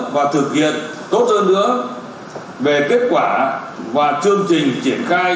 và thực hiện tốt hơn nữa về kết quả và chương trình triển khai